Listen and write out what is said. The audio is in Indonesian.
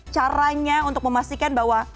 caranya untuk memastikan bahwa